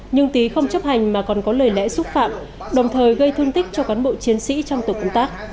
nhưng tý không chấp hành mà còn có lời lẽ xúc phạm đồng thời gây thương tích cho cán bộ chiến sĩ trong tổ công tác